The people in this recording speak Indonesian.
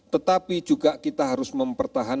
tetapi juga kita harus mempertahankan